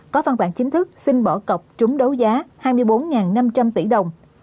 có văn bản chính thức xin bỏ cọc trúng đấu giá hai mươi bốn năm trăm linh tỷ đồng